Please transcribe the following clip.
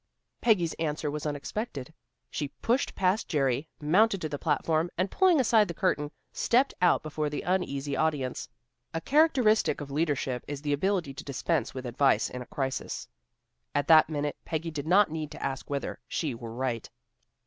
Peggy's answer was unexpected. She pushed past Jerry, mounted to the platform, and pulling aside the curtain, stepped out before the uneasy audience. A characteristic of leadership is the ability to dispense with advice in a crisis. At that minute Peggy did not need to ask whether she were right.